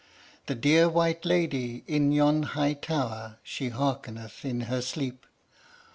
The dear white lady in yon high tower, She hearkeneth in her sleep.